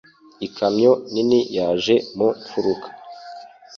Ikamyo nini yaje mu mfuruka.